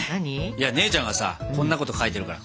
いや姉ちゃんがさこんなこと書いてるから。